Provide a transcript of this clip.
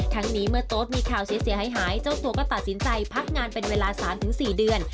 ทั้งนี้เมื่อโต๊ดมีข่าวเสียหายเจ้าตัวก็ตัดสินใจพักงานเป็นเวลา๓๔เดือน